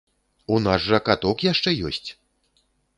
У нас жа каток яшчэ ёсць!